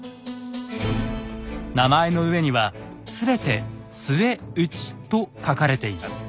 名前の上には全て「陶内」と書かれています。